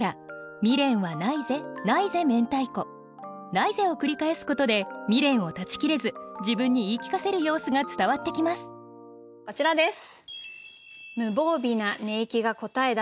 「ないぜ」を繰り返すことで未練を断ち切れず自分に言い聞かせる様子が伝わってきますこちらです。